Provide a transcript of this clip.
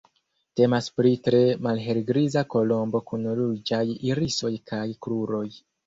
Temas pri tre malhelgriza kolombo kun ruĝaj irisoj kaj kruroj.